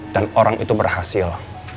dan orang itu berhasil